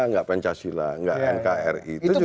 tidak pancasila tidak nkri